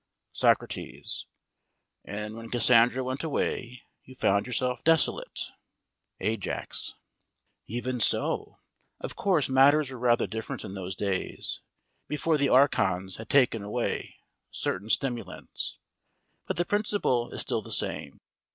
SOCRATES: And when Cassandra went away you found yourself desolate? AJAX: Even so. Of course matters were rather different in those days, before the archons had taken away certain stimulants, but the principle is still the same.